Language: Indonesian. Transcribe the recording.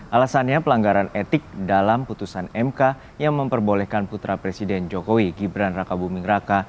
alasannya pelanggaran etik dalam putusan mk yang memperbolehkan putra presiden jokowi gibran raka buming raka